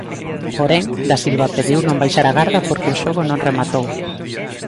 Porén, da Silva pediu non baixar a garda "porque o xogo non rematou".